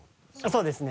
そうですね